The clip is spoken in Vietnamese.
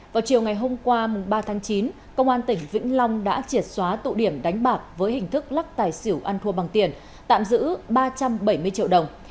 vào chiều ngày hôm qua ba tháng chín công an tỉnh vĩnh long đã triệt xóa tụ điểm đánh bạc với hình thức lắc tài xỉu ăn thua bằng tiền tạm giữ ba trăm bảy mươi triệu đồng